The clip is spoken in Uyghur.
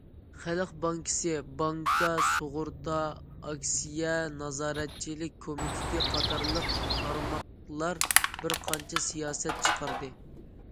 خەلق بانكىسى، بانكا، سۇغۇرتا، ئاكسىيە نازارەتچىلىك كومىتېتى قاتارلىق تارماقلار بىر قانچە سىياسەت چىقاردى.